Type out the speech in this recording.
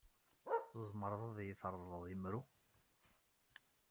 Tzemreḍ ad iyi-treḍleḍ imru?